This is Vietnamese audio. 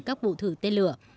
các bộ thử tên lửa